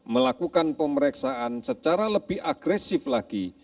melakukan pemeriksaan secara lebih agresif lagi